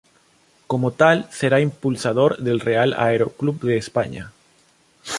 Como tal será impulsor del Real Aero Club de España.